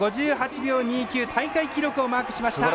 ５８秒２９大会記録をマークしました。